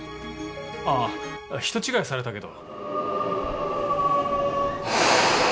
あ人違いされたけど。